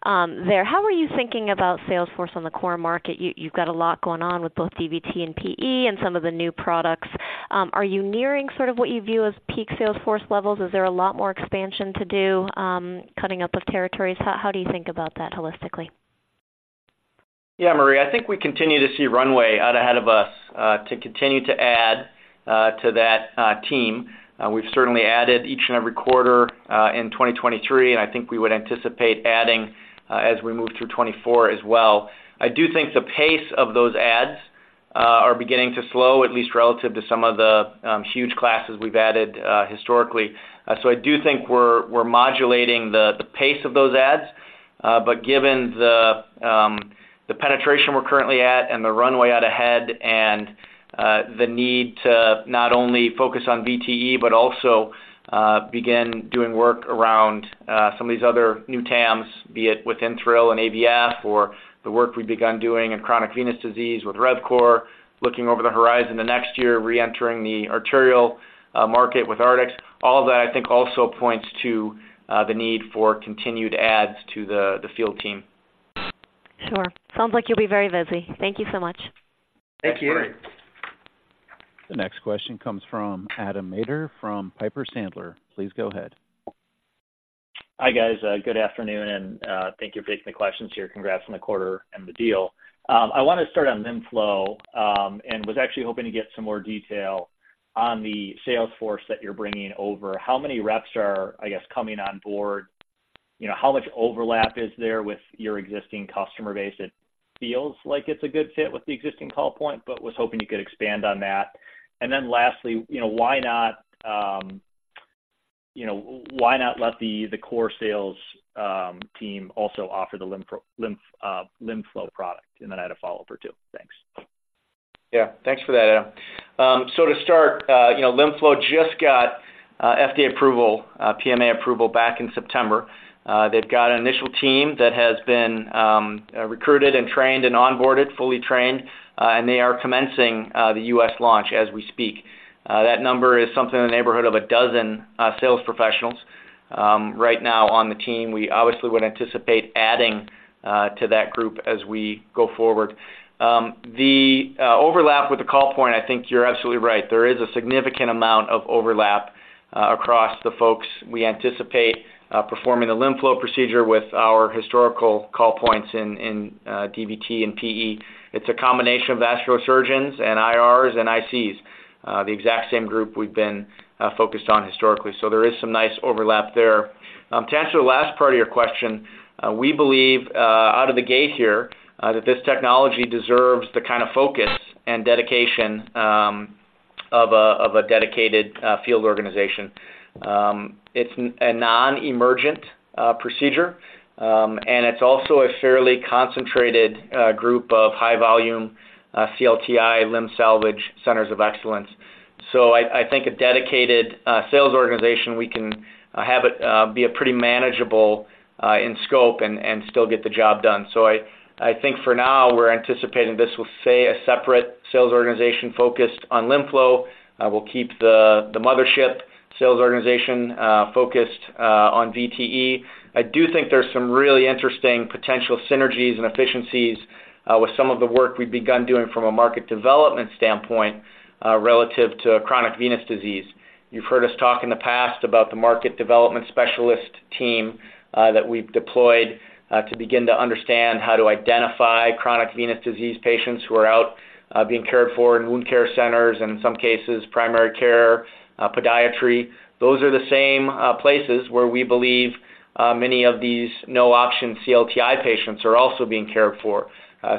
there. How are you thinking about sales force on the core market? You've got a lot going on with both DVT and PE and some of the new products. Are you nearing sort of what you view as peak sales force levels? Is there a lot more expansion to do, cutting up of territories? How do you think about that holistically? Yeah, Marie, I think we continue to see runway out ahead of us to continue to add to that team. We've certainly added each and every quarter in 2023, and I think we would anticipate adding as we move through 2024 as well. I do think the pace of those adds are beginning to slow, at least relative to some of the huge classes we've added historically. So I do think we're modulating the pace of those adds. But given the penetration we're currently at and the runway out ahead, and the need to not only focus on VTE, but also begin doing work around some of these other new TAMs, be it with InThrill and AVF, or the work we've begun doing in chronic venous disease with RevCore, looking over the horizon the next year, reentering the arterial market with Artix. All that, I think, also points to the need for continued adds to the field team. Sure. Sounds like you'll be very busy. Thank you so much. Thank you. Thanks, Marie. The next question comes from Adam Maeder from Piper Sandler. Please go ahead. Hi, guys, good afternoon, and thank you for taking the questions here. Congrats on the quarter and the deal. I want to start on LimFlow, and was actually hoping to get some more detail on the sales force that you're bringing over. How many reps are, I guess, coming on board? You know, how much overlap is there with your existing customer base? It feels like it's a good fit with the existing call point, but was hoping you could expand on that. And then lastly, you know, why not let the core sales team also offer the LimFlow product? And then I had a follow-up or two. Thanks. Yeah. Thanks for that, Adam. So to start, you know, LimFlow just got FDA approval, PMA approval back in September. They've got an initial team that has been recruited and trained and onboarded, fully trained, and they are commencing the U.S. launch as we speak. That number is something in the neighborhood of a dozen sales professionals right now on the team. We obviously would anticipate adding to that group as we go forward. The overlap with the call point, I think you're absolutely right. There is a significant amount of overlap across the folks we anticipate performing the LimFlow procedure with our historical call points in DVT and PE. It's a combination of vascular surgeons and IRs and ICs, the exact same group we've been focused on historically, so there is some nice overlap there. To answer the last part of your question, we believe out of the gate here that this technology deserves the kind of focus and dedication of a dedicated field organization. It's a non-emergent procedure, and it's also a fairly concentrated group of high volume CLTI limb salvage centers of excellence. So I think a dedicated sales organization, we can have it be a pretty manageable in scope and still get the job done. So I think for now, we're anticipating this will stay a separate sales organization focused on LimFlow. We'll keep the mothership sales organization focused on VTE. I do think there's some really interesting potential synergies and efficiencies with some of the work we've begun doing from a market development standpoint relative to chronic venous disease. You've heard us talk in the past about the market development specialist team that we've deployed to begin to understand how to identify chronic venous disease patients who are out being cared for in wound care centers, and in some cases, primary care, podiatry. Those are the same places where we believe many of these no-option CLTI patients are also being cared for.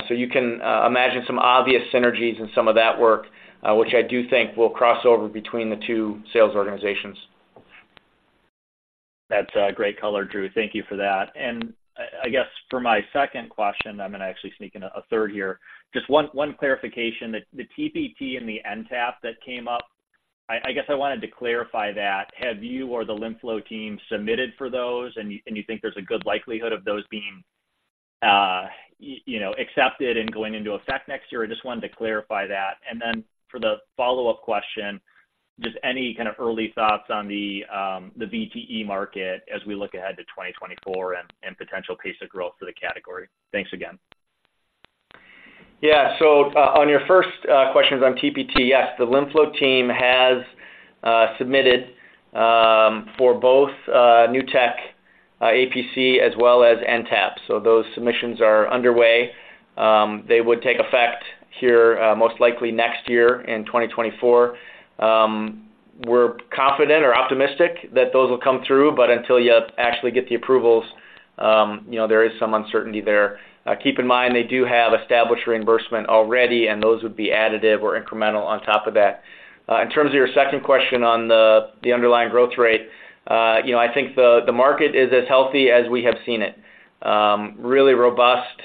So you can imagine some obvious synergies in some of that work, which I do think will cross over between the two sales organizations. That's great color, Drew. Thank you for that. And I guess for my second question, I'm gonna actually sneak in a third here. Just one clarification. The TPT and the NTAP that came up, I guess I wanted to clarify that. Have you or the LimFlow team submitted for those, and you think there's a good likelihood of those being you know, accepted and going into effect next year? I just wanted to clarify that. And then for the follow-up question, just any kind of early thoughts on the VTE market as we look ahead to 2024 and potential pace of growth for the category? Thanks again. Yeah. So, on your first questions on TPT, yes, the LimFlow team has submitted for both New Tech APC, as well as NTAP. So those submissions are underway. They would take effect here, most likely next year in 2024. We're confident or optimistic that those will come through, but until you actually get the approvals, you know, there is some uncertainty there. Keep in mind, they do have established reimbursement already, and those would be additive or incremental on top of that. In terms of your second question on the underlying growth rate, you know, I think the market is as healthy as we have seen it. Really robust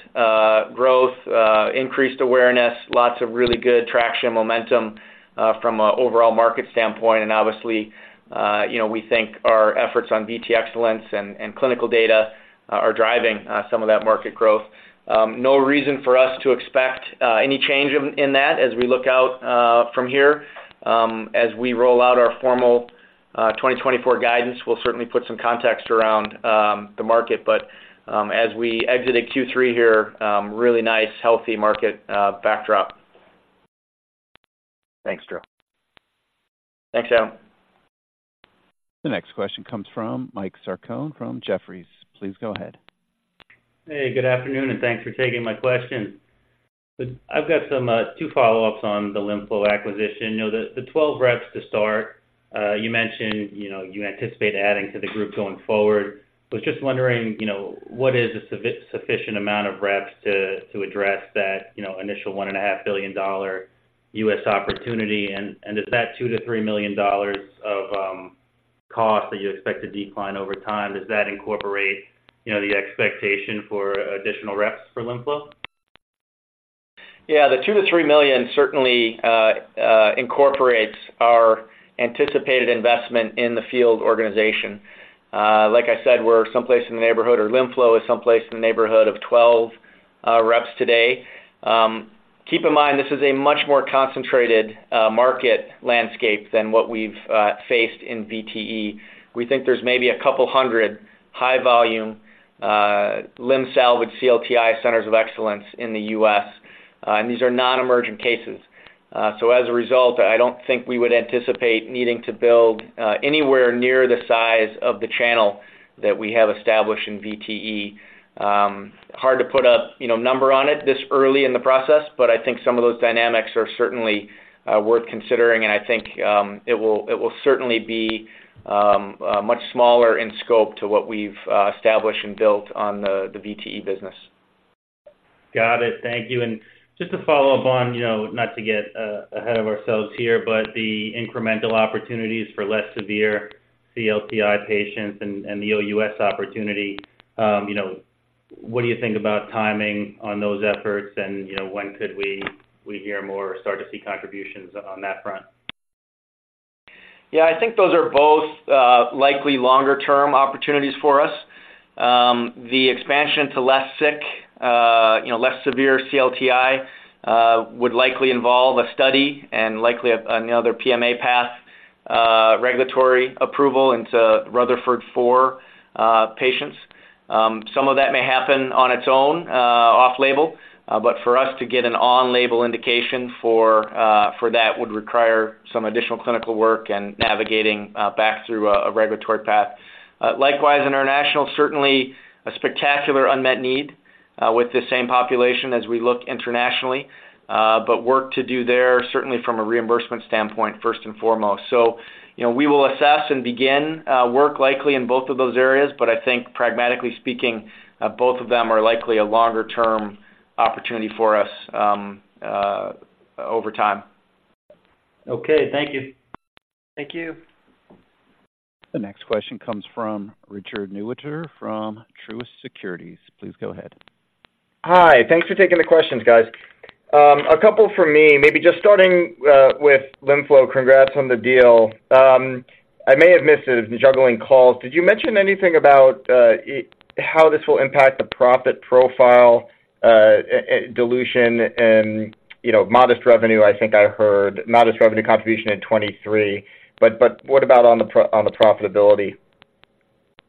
growth, increased awareness, lots of really good traction, momentum, from a overall market standpoint. Obviously, you know, we think our efforts on VTE Excellence and, and clinical data are driving some of that market growth. No reason for us to expect any change in, in that as we look out from here. As we roll out our formal 2024 guidance, we'll certainly put some context around the market. But as we exit at Q3 here, really nice, healthy market backdrop. Thanks, Drew. Thanks, Adam. The next question comes from Mike Sarcone from Jefferies. Please go ahead. Hey, good afternoon, and thanks for taking my question. I've got some two follow-ups on the LimFlow acquisition. You know, the twelve reps to start, you mentioned, you know, you anticipate adding to the group going forward. Was just wondering, you know, what is a sufficient amount of reps to address that, you know, initial $1.5 billion U.S. opportunity? And is that $2 million-$3 million of cost that you expect to decline over time, does that incorporate, you know, the expectation for additional reps for LimFlow? Yeah, the $2 million-$3 million certainly incorporates our anticipated investment in the field organization. Like I said, we're someplace in the neighborhood, or LimFlow is someplace in the neighborhood of 12 reps today. Keep in mind, this is a much more concentrated market landscape than what we've faced in VTE. We think there's maybe 200 high-volume limb salvage CLTI centers of excellence in the U.S., and these are non-emergent cases. So as a result, I don't think we would anticipate needing to build anywhere near the size of the channel that we have established in VTE. Hard to put a, you know, number on it this early in the process, but I think some of those dynamics are certainly worth considering, and I think it will certainly be a much smaller in scope to what we've established and built on the VTE business. Got it. Thank you. And just to follow up on, you know, not to get ahead of ourselves here, but the incremental opportunities for less severe CLTI patients and the OUS opportunity, you know, what do you think about timing on those efforts? And, you know, when could we hear more or start to see contributions on that front? Yeah, I think those are both likely longer term opportunities for us. The expansion to less sick, you know, less severe CLTI would likely involve a study and likely another PMA path, regulatory approval into Rutherford IV patients. Some of that may happen on its own, off label, but for us to get an on-label indication for that would require some additional clinical work and navigating back through a regulatory path. Likewise, international, certainly a spectacular unmet need, with the same population as we look internationally, but work to do there, certainly from a reimbursement standpoint, first and foremost. So, you know, we will assess and begin work likely in both of those areas, but I think pragmatically speaking, both of them are likely a longer term opportunity for us, over time. Okay. Thank you. Thank you. The next question comes from Richard Newitter from Truist Securities. Please go ahead. Hi. Thanks for taking the questions, guys. A couple from me, maybe just starting with LimFlow. Congrats on the deal. I may have missed it, juggling calls. Did you mention anything about how this will impact the profit profile, dilution and, you know, modest revenue? I think I heard modest revenue contribution in 2023, but what about on the profitability?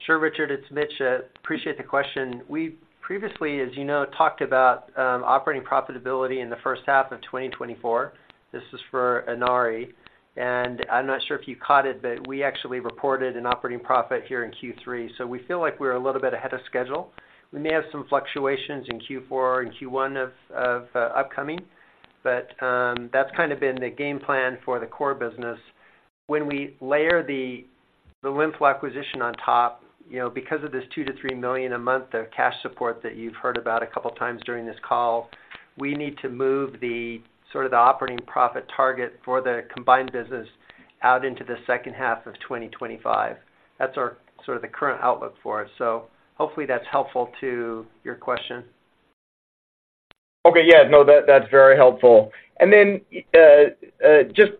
Sure, Richard, it's Mitch. Appreciate the question. We previously, as you know, talked about operating profitability in the first half of 2024. This is for Inari, and I'm not sure if you caught it, but we actually reported an operating profit here in Q3, so we feel like we're a little bit ahead of schedule. We may have some fluctuations in Q4 and Q1 of upcoming, but that's kind of been the game plan for the core business. When we layer the LimFlow acquisition on top, you know, because of this $2 million-$3 million a month of cash support that you've heard about a couple times during this call, we need to move the sort of the operating profit target for the combined business out into the second half of 2025. That's our, sort of the current outlook for us. Hopefully that's helpful to your question. Okay. Yeah, no, that, that's very helpful. And then, just,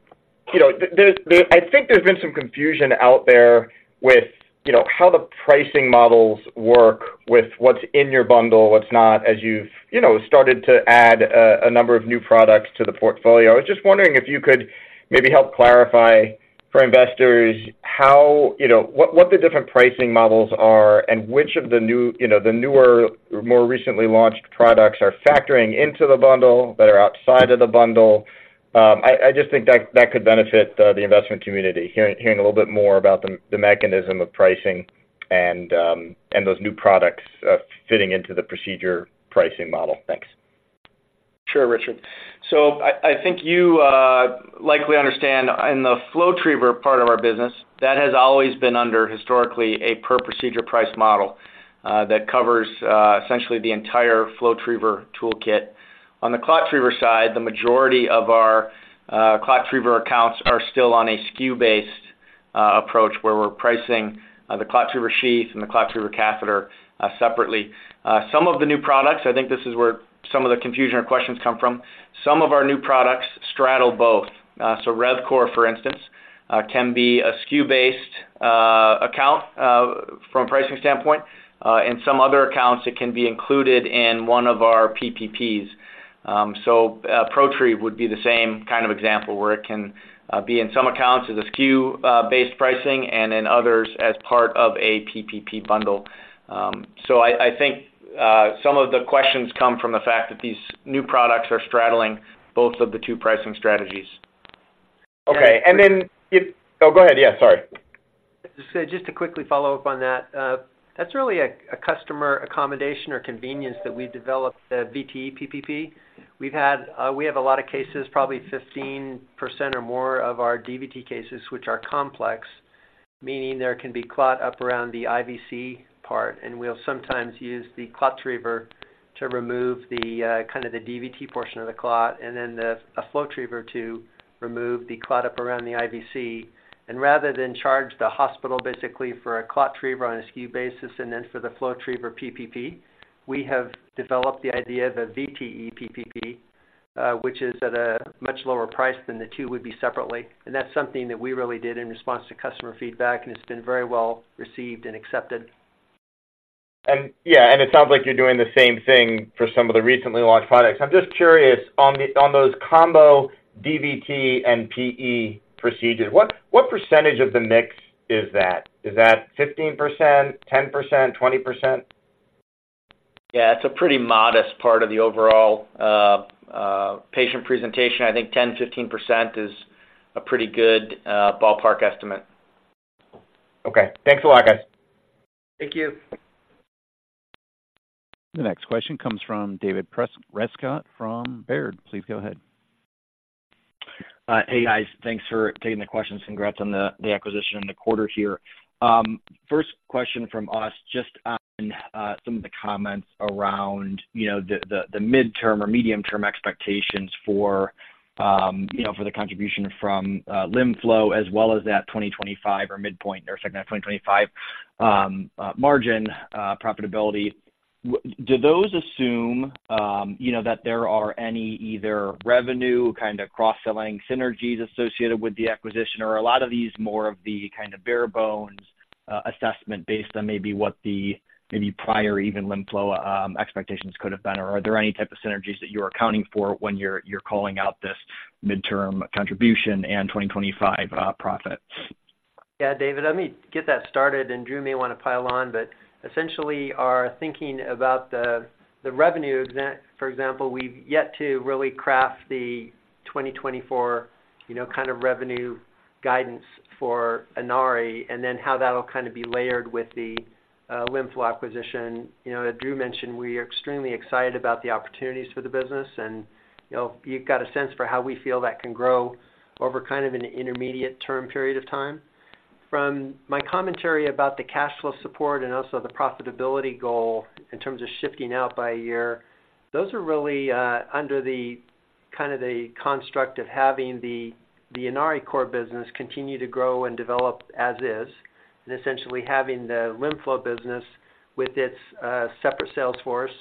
you know, there's, there—I think there's been some confusion out there with, you know, how the pricing models work, with what's in your bundle, what's not, as you've, you know, started to add a number of new products to the portfolio. I was just wondering if you could maybe help clarify for investors how, you know, what, what the different pricing models are, and which of the new, you know, the newer or more recently launched products are factoring into the bundle, that are outside of the bundle. I just think that, that could benefit the investment community, hearing a little bit more about the, the mechanism of pricing and, and those new products fitting into the procedure pricing model. Thanks. Sure, Richard. So I think you likely understand in the FlowTriever part of our business, that has always been under, historically, a per procedure price model that covers essentially the entire FlowTriever toolkit. On the ClotTriever side, the majority of our ClotTriever accounts are still on a SKU-based approach, where we're pricing the ClotTriever sheath and the ClotTriever catheter separately. Some of the new products, I think this is where some of the confusion or questions come from. Some of our new products straddle both. So RevCore, for instance, can be a SKU-based account from a pricing standpoint, and some other accounts, it can be included in one of our PPPs. So, ProTrieve would be the same kind of example, where it can be in some accounts as a SKU-based pricing and in others as part of a PPP bundle. So, I think some of the questions come from the fact that these new products are straddling both of the two pricing strategies. Okay. And then... Oh, go ahead. Yeah, sorry. Just to quickly follow up on that, that's really a customer accommodation or convenience that we developed, the VTE PPP. We have a lot of cases, probably 15% or more of our DVT cases, which are complex, meaning there can be clot up around the IVC part, and we'll sometimes use the ClotTriever to remove the kind of the DVT portion of the clot, and then a FlowTriever to remove the clot up around the IVC. And rather than charge the hospital basically for a ClotTriever on a SKU basis and then for the FlowTriever PPP, we have developed the idea of a VTE PPP, which is at a much lower price than the two would be separately. And that's something that we really did in response to customer feedback, and it's been very well received and accepted. Yeah, and it sounds like you're doing the same thing for some of the recently launched products. I'm just curious, on those combo DVT and PE procedures, what percentage of the mix is that? Is that 15%, 10%, 20%? Yeah, it's a pretty modest part of the overall, patient presentation. I think 10%-15% is a pretty good ballpark estimate. Okay. Thanks a lot, guys. Thank you. The next question comes from David Rescott from Baird. Please go ahead. Hey, guys. Thanks for taking the questions. Congrats on the acquisition in the quarter here. First question from us, just on some of the comments around, you know, the midterm or medium-term expectations for, you know, for the contribution from LimFlow, as well as that 2025 or midpoint or second of 2025 margin profitability. Do those assume, you know, that there are any either revenue kind of cross-selling synergies associated with the acquisition, or a lot of these more of the kind of bare bones assessment based on maybe what the maybe prior even LimFlow expectations could have been? Or are there any type of synergies that you're accounting for when you're calling out this midterm contribution and 2025 profit? Yeah, David, let me get that started, and Drew may want to pile on, but essentially our thinking about the revenue, for example, we've yet to really craft the 2024, you know, kind of revenue guidance for Inari and then how that'll kind of be layered with the LimFlow acquisition. You know, as Drew mentioned, we are extremely excited about the opportunities for the business, and, you know, you've got a sense for how we feel that can grow over kind of an intermediate term period of time. From my commentary about the cash flow support and also the profitability goal in terms of shifting out by a year, those are really under the kind of construct of having the Inari core business continue to grow and develop as is, and essentially having the LimFlow business with its separate sales force.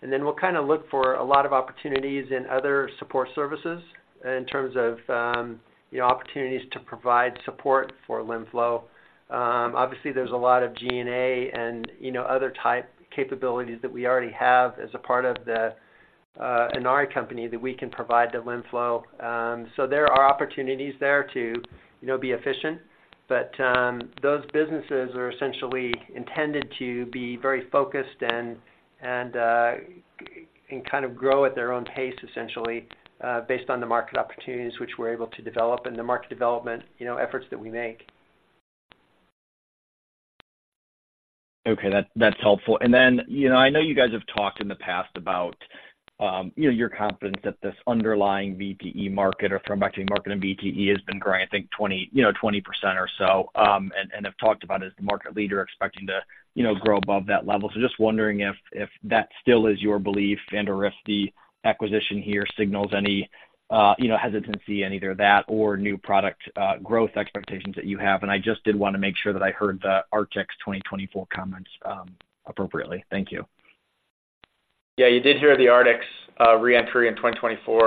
Then we'll kind of look for a lot of opportunities in other support services in terms of, you know, opportunities to provide support for LimFlow. Obviously, there's a lot of SG&A and, you know, other type capabilities that we already have as a part of the Inari company that we can provide to LimFlow. So there are opportunities there to, you know, be efficient, but those businesses are essentially intended to be very focused and kind of grow at their own pace, essentially, based on the market opportunities which we're able to develop and the market development, you know, efforts that we make. Okay, that's helpful. And then, you know, I know you guys have talked in the past about, you know, your confidence that this underlying VTE market or thrombectomy market, and VTE has been growing, I think 20%, you know, 20% or so, and have talked about as the market leader, expecting to, you know, grow above that level. So just wondering if that still is your belief and/or if the acquisition here signals any, you know, hesitancy in either that or new product growth expectations that you have. And I just did want to make sure that I heard the Artix 2024 comments appropriately. Thank you. Yeah, you did hear the Artix reentry in 2024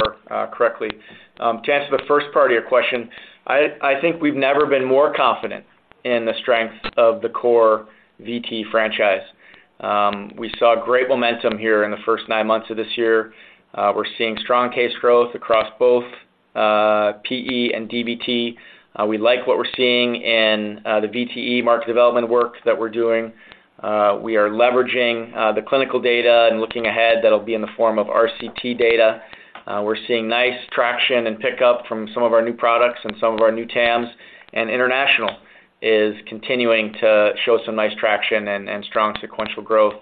correctly. To answer the first part of your question, I think we've never been more confident in the strength of the core VTE franchise. We saw great momentum here in the first nine months of this year. We're seeing strong case growth across both PE and DVT. We like what we're seeing in the VTE market development work that we're doing. We are leveraging the clinical data, and looking ahead, that'll be in the form of RCT data. We're seeing nice traction and pickup from some of our new products and some of our new TAMs, and international is continuing to show some nice traction and strong sequential growth.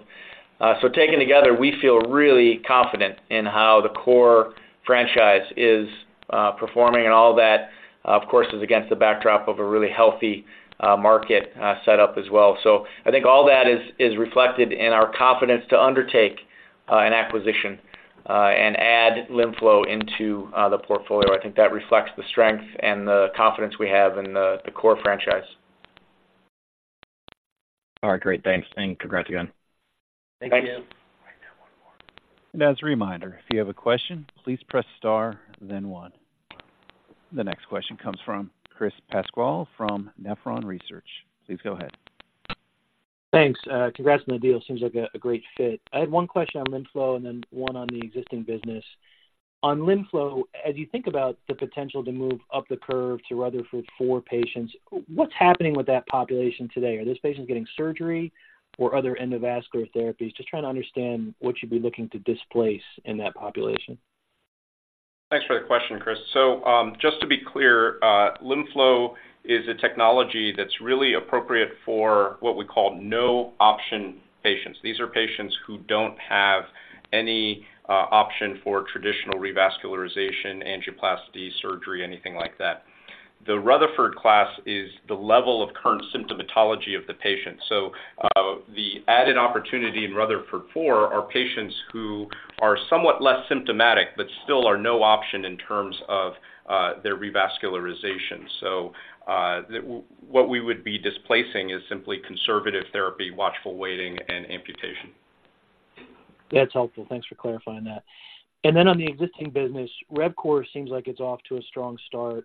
So taken together, we feel really confident in how the core franchise is performing and all that, of course, is against the backdrop of a really healthy market set up as well. So I think all that is reflected in our confidence to undertake an acquisition and add LimFlow into the portfolio. I think that reflects the strength and the confidence we have in the core franchise. All right, great. Thanks, and congrats again. Thank you. Thanks. As a reminder, if you have a question, please press star, then one. The next question comes from Chris Pasquale from Nephron Research. Please go ahead. Thanks. Congrats on the deal. Seems like a great fit. I had one question on LimFlow and then one on the existing business. On LimFlow, as you think about the potential to move up the curve to Rutherford IV patients, what's happening with that population today? Are those patients getting surgery or other endovascular therapies? Just trying to understand what you'd be looking to displace in that population. Thanks for the question, Chris. So, just to be clear, LimFlow is a technology that's really appropriate for what we call no-option patients. These are patients who don't have any option for traditional revascularization, angioplasty, surgery, anything like that. The Rutherford class is the level of current symptomatology of the patient. So, the added opportunity in Rutherford IV are patients who are somewhat less symptomatic, but still are no option in terms of their revascularization. So, what we would be displacing is simply conservative therapy, watchful waiting, and amputation. That's helpful. Thanks for clarifying that. And then on the existing business, RevCore seems like it's off to a strong start. I'm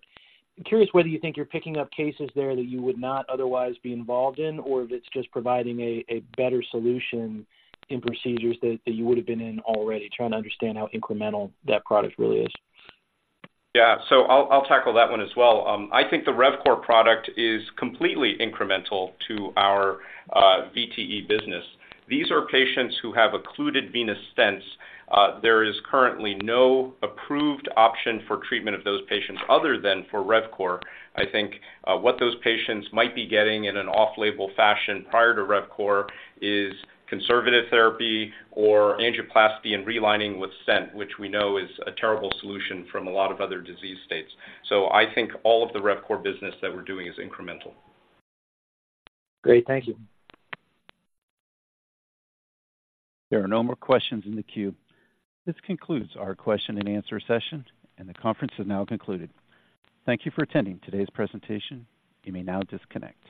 curious whether you think you're picking up cases there that you would not otherwise be involved in, or if it's just providing a better solution in procedures that you would have been in already. Trying to understand how incremental that product really is. Yeah, so I'll tackle that one as well. I think the RevCore product is completely incremental to our VTE business. These are patients who have occluded venous stents. There is currently no approved option for treatment of those patients other than for RevCore. I think, what those patients might be getting in an off-label fashion prior to RevCore is conservative therapy or angioplasty and relining with stent, which we know is a terrible solution from a lot of other disease states. So I think all of the RevCore business that we're doing is incremental. Great. Thank you. There are no more questions in the queue. This concludes our question and answer session, and the conference is now concluded. Thank you for attending today's presentation. You may now disconnect.